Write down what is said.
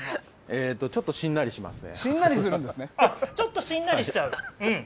雨って、ちょっとしんなりしますね。